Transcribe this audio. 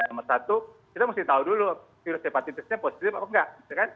nomor satu kita mesti tahu dulu virus hepatitisnya positif apa enggak